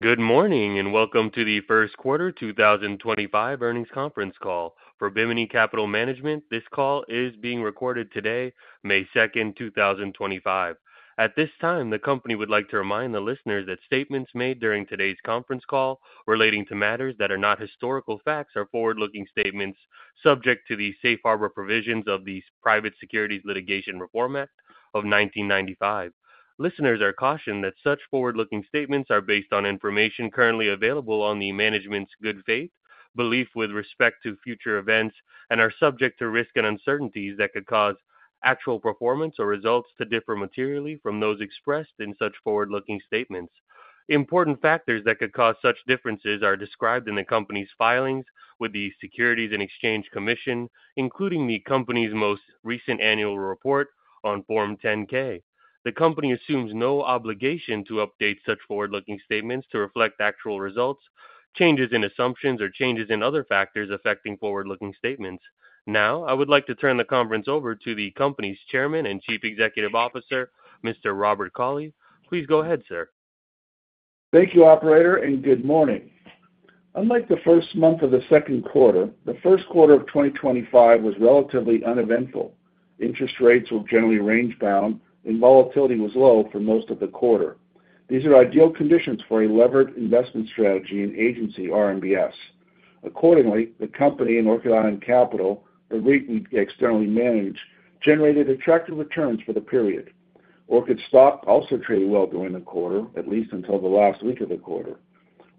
Good morning and welcome to the first quarter 2025 earnings conference call for Bimini Capital Management. This call is being recorded today, May 2nd, 2025. At this time, the company would like to remind the listeners that statements made during today's conference call relating to matters that are not historical facts are forward-looking statements subject to the safe harbor provisions of the Private Securities Litigation Reform Act of 1995. Listeners are cautioned that such forward-looking statements are based on information currently available on the management's good faith belief with respect to future events and are subject to risk and uncertainties that could cause actual performance or results to differ materially from those expressed in such forward-looking statements. Important factors that could cause such differences are described in the company's filings with the Securities and Exchange Commission, including the company's most recent annual report on Form 10-K. The company assumes no obligation to update such forward-looking statements to reflect actual results, changes in assumptions, or changes in other factors affecting forward-looking statements. Now, I would like to turn the conference over to the company's Chairman and Chief Executive Officer, Mr. Robert Cauley. Please go ahead, sir. Thank you, operator, and good morning. Unlike the first month of the second quarter, the first quarter of 2025 was relatively uneventful. Interest rates were generally range-bound, and volatility was low for most of the quarter. These are ideal conditions for a levered investment strategy in agency RMBS. Accordingly, the company and Orchid Island Capital, a REIT we externally manage, generated attractive returns for the period. Orchid's stock also traded well during the quarter, at least until the last week of the quarter.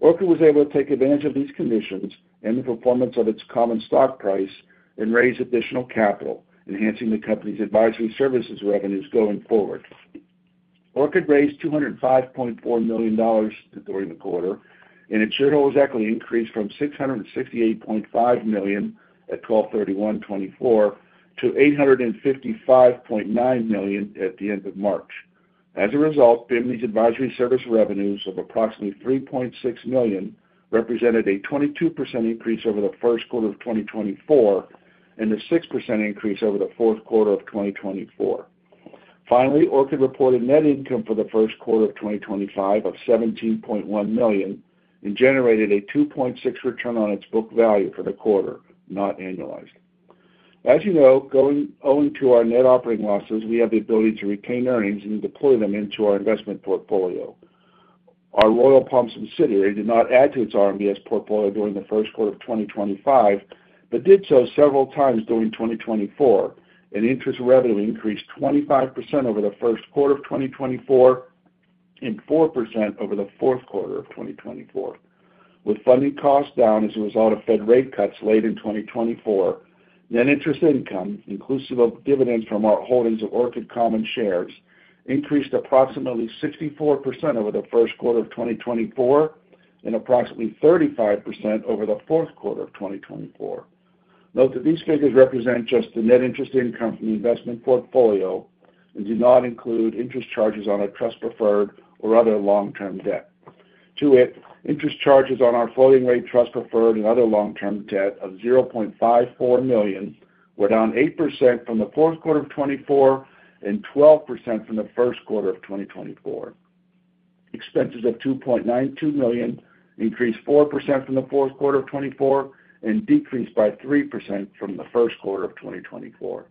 Orchid was able to take advantage of these conditions and the performance of its common stock price and raise additional capital, enhancing the company's advisory services revenues going forward. Orchid raised $205.4 million during the quarter, and its shareholders' equity increased from $668.5 million at 12/31/2024 to $855.9 million at the end of March. As a result, Bimini's advisory service revenues of approximately $3.6 million represented a 22% increase over the first quarter of 2024 and a 6% increase over the fourth quarter of 2024. Finally, Orchid reported net income for the first quarter of 2025 of $17.1 million and generated a 2.6% return on its book value for the quarter, not annualized. As you know, owing to our net operating losses, we have the ability to retain earnings and deploy them into our investment portfolio. Our Royal Palm Capital entity did not add to its RMBS portfolio during the first quarter of 2025 but did so several times during 2024. Interest revenue increased 25% over the first quarter of 2024 and 4% over the fourth quarter of 2024. With funding costs down as a result of Fed rate cuts late in 2024, net interest income, inclusive of dividends from our holdings of Orchid Common Shares, increased approximately 64% over the first quarter of 2024 and approximately 35% over the fourth quarter of 2024. Note that these figures represent just the net interest income from the investment portfolio and do not include interest charges on a trust preferred or other long-term debt. To it, interest charges on our floating rate trust preferred and other long-term debt of $0.54 million were down 8% from the fourth quarter of 2024 and 12% from the first quarter of 2024. Expenses of $2.92 million increased 4% from the fourth quarter of 2024 and decreased by 3% from the first quarter of 2024.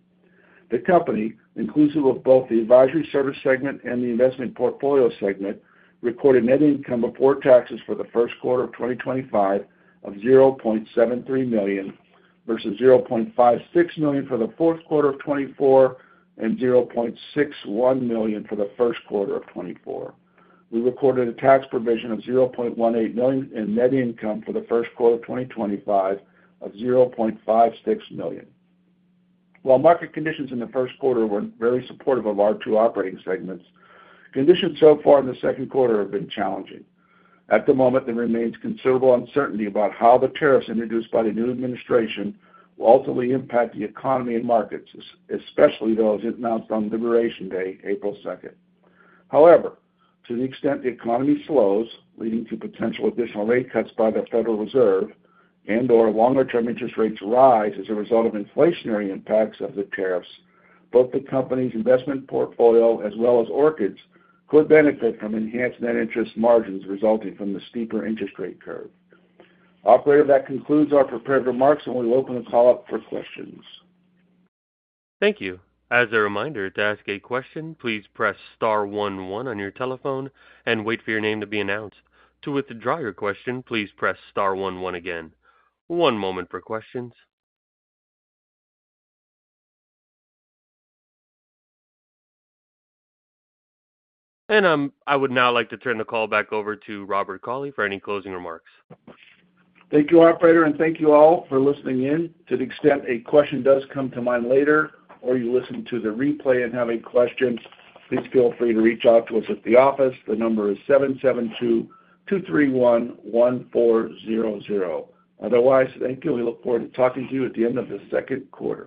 The company, inclusive of both the advisory service segment and the investment portfolio segment, recorded net income before taxes for the first quarter of 2025 of $0.73 million versus $0.56 million for the fourth quarter of 2024 and $0.61 million for the first quarter of 2024. We recorded a tax provision of $0.18 million in net income for the first quarter of 2025 of $0.56 million. While market conditions in the first quarter were very supportive of our two operating segments, conditions so far in the second quarter have been challenging. At the moment, there remains considerable uncertainty about how the tariffs introduced by the new administration will ultimately impact the economy and markets, especially those announced on Liberation Day, April 2nd. However, to the extent the economy slows, leading to potential additional rate cuts by the Federal Reserve and/or longer-term interest rates rise as a result of inflationary impacts of the tariffs, both the company's investment portfolio as well as Orchid Island Capital's could benefit from enhanced net interest margins resulting from the steeper interest rate curve. Operator, that concludes our prepared remarks, and we will open the call up for questions. Thank you. As a reminder, to ask a question, please press star one one on your telephone and wait for your name to be announced. To withdraw your question, please press star one one again. One moment for questions. I would now like to turn the call back over to Robert Cauley for any closing remarks. Thank you, operator, and thank you all for listening in. To the extent a question does come to mind later or you listen to the replay and have a question, please feel free to reach out to us at the office. The number is 772-231-1400. Otherwise, thank you. We look forward to talking to you at the end of the second quarter.